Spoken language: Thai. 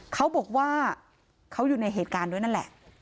เขาบอกว่าเขาอยู่ในเหตุการณ์ด้วยนั่นแหละ